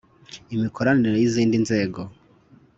’imikoranire y’izindi nzego